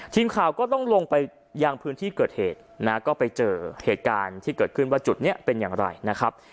ทีมข่าวก็ต้องลงไปยังพื้นที่เกิดเหตุนะก็ไปเจอเหตุการณ์ที่เกิดขึ้นว่าจุดนี้เป็นอย่างไรนะครับ